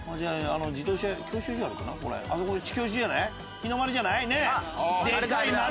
日の丸じゃない？ねぇ！